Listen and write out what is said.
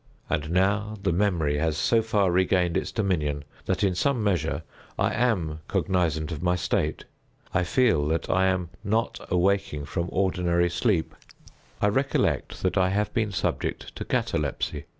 And now the memory has so far regained its dominion, that, in some measure, I am cognizant of my state. I feel that I am not awaking from ordinary sleep. I recollect that I have been subject to catalepsy.